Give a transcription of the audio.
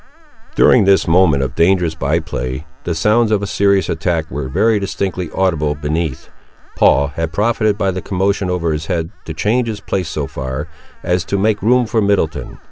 During this moment of dangerous by play, the sounds of a serious attack were very distinctly audible beneath. Paul had profited by the commotion over his head to change his place so far, as to make room for Middleton.